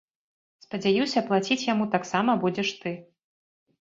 Спадзяюся, плаціць яму таксама будзеш ты!